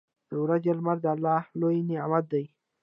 • د ورځې لمر د الله لوی نعمت دی.